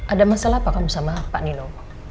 ada masalah apa kamu sama pak nino